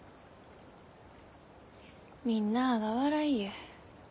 みんなあが笑いゆう。